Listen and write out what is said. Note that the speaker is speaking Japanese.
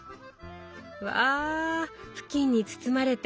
わ布巾に包まれて。